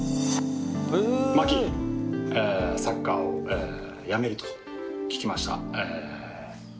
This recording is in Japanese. マキ、サッカーをやめると聞きました。